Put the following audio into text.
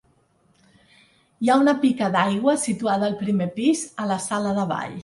Hi ha una pica d'aigua situada al primer pis a la sala de ball.